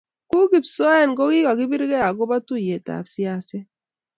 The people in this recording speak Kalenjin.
ku kipsoen kogigagibirgei agoba tuiyetab siaset